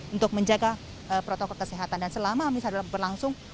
untuk menjaga protokol kesehatan dan selama misal dalam berlangsung